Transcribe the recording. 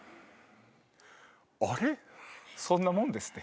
そんなもんですって。